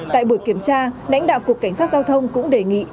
tại buổi kiểm tra lãnh đạo cục cảnh sát giao thông cũng đề nghị